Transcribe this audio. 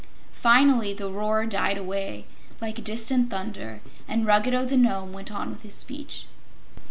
Finally the roar died away, like distant thunder, and Ruggedo the Nome went on with his speech.